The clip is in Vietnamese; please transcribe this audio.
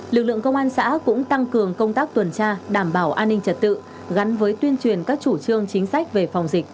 lực lượng công an xã cũng tăng cường công tác tuần tra đảm bảo an ninh trật tự gắn với tuyên truyền các chủ trương chính sách về phòng dịch